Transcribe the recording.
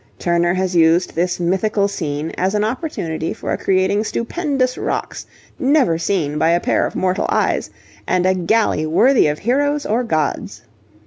Turner has used this mythical scene as an opportunity for creating stupendous rocks never seen by a pair of mortal eyes, and a galley worthy of heroes or gods.